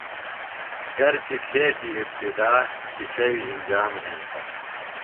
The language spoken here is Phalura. گر چہ کھیچیۡ ابتدا شِشیویۡ انجام ہنتہ۔